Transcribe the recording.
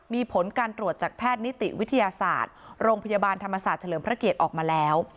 มีผลการตรวจจากแพทย์นิติวิทยาศาสตร์โรงพยาบาลธรรมศาสตร์เฉลิมพระเกียรติออกมาแล้ว